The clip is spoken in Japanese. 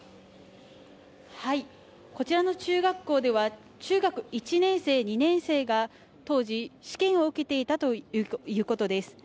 こちらの中学校では中学１年生、２年生が当時、試験を受けていたということです。